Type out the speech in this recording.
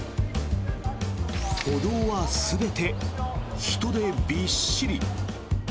歩道は全て人でびっしり。